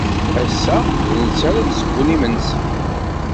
Ass-a d netta ara d-yessewwen imensi.